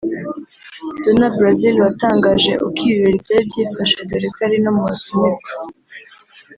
Donna Brazile watangaje uko ibi birori byari byifashe dore ko yari no mu batumirwa